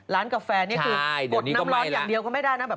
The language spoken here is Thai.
กาแฟนี่คือกดน้ำร้อนอย่างเดียวก็ไม่ได้นะแบบ